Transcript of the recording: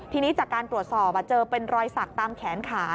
ทีนี้จากการตรวจสอบเจอเป็นรอยสักตามแขนขา